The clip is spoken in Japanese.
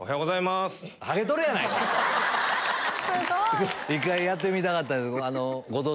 すごい！１回やってみたかったんです。